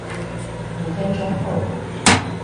五分鐘後